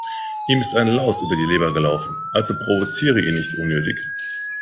Ihm ist eine Laus über die Leber gelaufen, also provoziere ihn nicht unnötig.